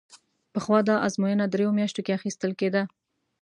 پخوا دا ازموینه درېیو میاشتو کې اخیستل کېده.